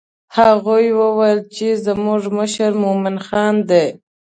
هغوی وویل چې زموږ مشر مومن خان دی.